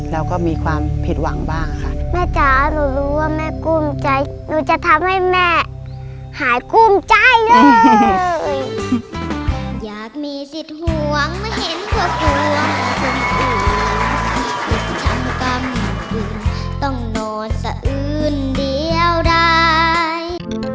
ทำให้แม่หายกลุ้มใจเลย